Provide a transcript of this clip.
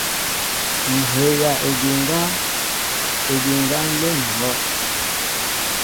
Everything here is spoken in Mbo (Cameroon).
Ŋhɛjaʼédiŋga, édiŋga nlém ŋhɔʼ.